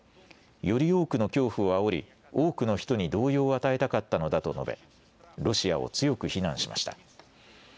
より多くの恐怖をあおり、多くの人に動揺を与えたかったのだと述べ、ロシアを強く非難しました。